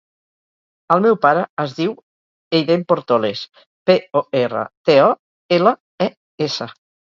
El meu pare es diu Eiden Portoles: pe, o, erra, te, o, ela, e, essa.